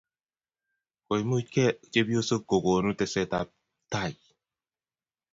komuchkei chepyosok ko konu teset ab tai